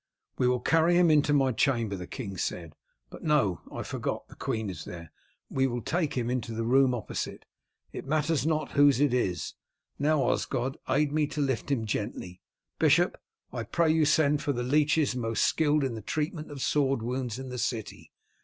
"We will carry him into my chamber," the king said. "But no; I forgot, the queen is there. We will take him into the room opposite; it matters not whose it is. Now, Osgod, aid me to lift him gently. Bishop, I pray you send for the leeches most skilled in the treatment of sword wounds in the city."